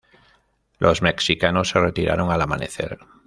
Los mexicanos se retiraron al amanecer.